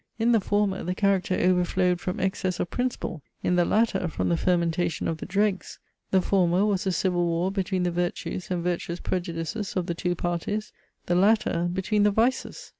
In the former, the character overflowed from excess of principle; in the latter from the fermentation of the dregs! The former, was a civil war between the virtues and virtuous prejudices of the two parties; the latter, between the vices.